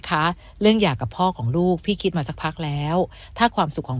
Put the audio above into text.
คะเรื่องหย่ากับพ่อของลูกพี่คิดมาสักพักแล้วถ้าความสุขของ